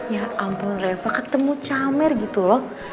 ya ampun reva ketemu camer gitu loh